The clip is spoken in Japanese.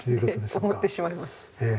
思ってしまいました。